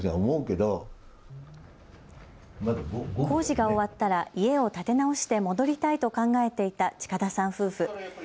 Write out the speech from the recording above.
工事が終わったら家を建て直して戻りたいと考えていた近田さん夫婦。